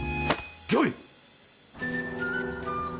御意！